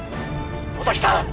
野崎さん！